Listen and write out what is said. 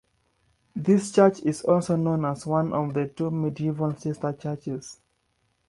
This church is also known as one of the two medieval Sister Churches.